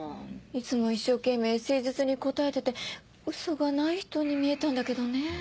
いつも一生懸命誠実に答えててウソがない人に見えたんだけどね。